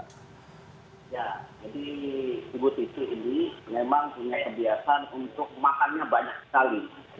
ya jadi ibu titi ini memang punya kebiasaan untuk makannya banyak sekali